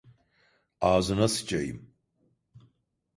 Ağzına sıçayım!